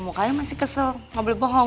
kamu kayak masih kesel ngobrol bohong